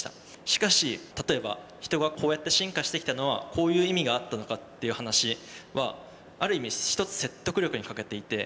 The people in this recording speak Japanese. しかし例えば人がこうやって進化してきたのはこういう意味があったのかという話はある意味ひとつ説得力に欠けていて。